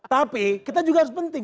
tapi kita juga harus penting